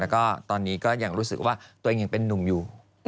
แล้วก็ตอนนี้ก็ยังรู้สึกว่าตัวเองยังเป็นนุ่มอยู่